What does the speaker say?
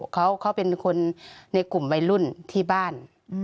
เขาเป็นคนในกลุ่มวัยรุ่นที่บ้าน